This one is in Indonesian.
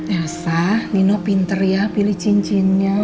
ya usah nina pinter ya pilih cincinnya